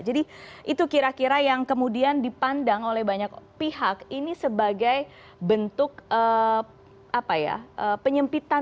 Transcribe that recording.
jadi itu kira kira yang kemudian dipandang oleh banyak pihak ini sebagai bentuk penyempitan